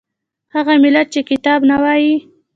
هغه ملت چې کتاب نه وايي